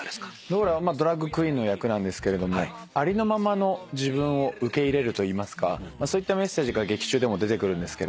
ローラはドラァグクイーンの役なんですけれどもありのままの自分を受け入れるといいますかそういったメッセージが劇中でも出てくるんですけれども